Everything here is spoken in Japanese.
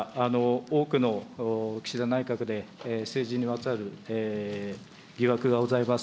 多くの岸田内閣で政治にまつわる疑惑がございます。